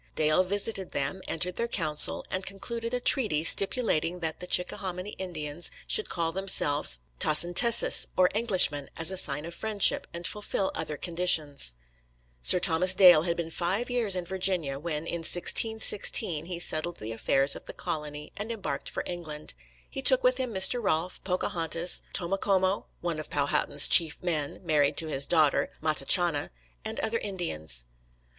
Dale visited them, entered their council, and concluded a treaty stipulating that the Chickahominy Indians should call themselves Tassantessus, or Englishmen, as a sign of friendship, and fulfil other conditions. Sir Thomas Dale had been five years in Virginia when in 1616 he settled the affairs of the colony, and embarked for England. He took with him Mr. Rolfe, Pocahontas, Tomocomo, one of Powhatan's chief men, married to his daughter, Matachanna, and other Indians.